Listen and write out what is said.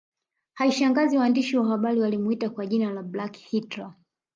Haishangazi waandishi wa habari walimwita jina la Black Hitler